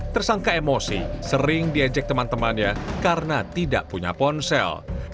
tersangka emosi sering diejek teman temannya karena tidak punya ponsel